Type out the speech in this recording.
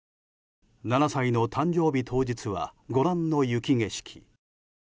７歳の誕生日当日はご覧の雪景色。